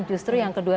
justru yang kedua